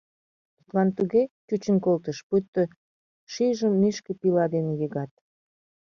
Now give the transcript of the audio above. Тудлан туге чучын колтыш, пуйто шӱйжым нӱшкӧ пила дене йыгат.